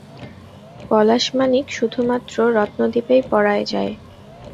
পলাশমানিক শুধুমাত্র রত্নদ্বীপেই পয়ায় যায়।